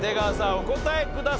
お答えください。